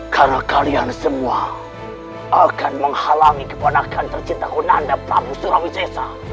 karena kalian semua akan menghalangi kebenakan tercinta hunanda prabu surawisesa